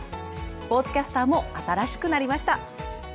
スポーツキャスターも新しくなりました。